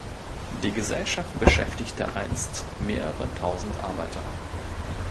Die Gesellschaft beschäftigte einst mehrere Tausend Arbeiter.